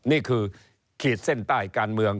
นี่คือขีดเส้นใต้การเมือง